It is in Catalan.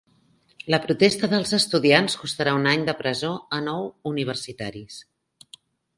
La protesta dels estudiants costarà un any de presó a nou universitaris